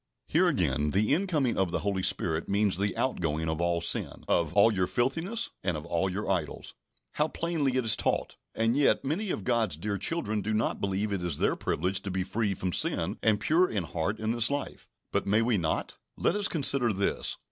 Here again, the incoming of the Holy Spirit means the outgoing of all sin, of "all your filthiness, and of all your idols." How plainly it is taught! And yet, many of God's dear children do not believe it is their privilege to be free from sin and pure in heart in this life. But, may we not? Let us consider this.